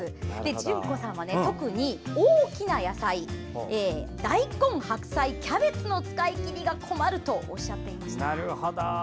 淳子さんは、特に大きな野菜大根、白菜、キャベツの使いきりが困るとおっしゃっています。